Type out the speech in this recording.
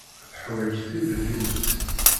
Teḥwaǧ tilelli-nnes.